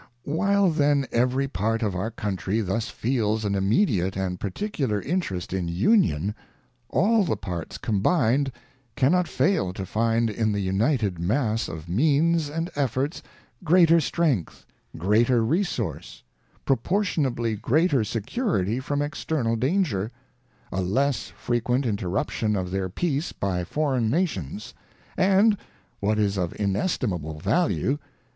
While then every part of our Country thus feels an immediate and particular in terest in Union, all the parts combined can not fail to find in the united mass of means and efforts greater strength, greater resource, proportionably greater security from external danger, a less frequent interruption of their Peace by foreign Nations ; and, what is of inestimable value